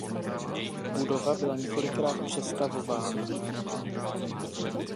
Budova byla několikrát přestavována.